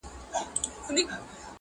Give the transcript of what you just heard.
دا د زړه ورو مورچل مه ورانوی!